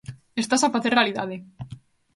Estase a facer realidade.